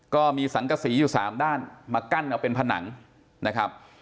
ก็มีสังกษีอยู่๓ด้านมากั้นเอาเป็นผนังนะครับ